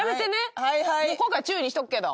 今回注意にしとくけど。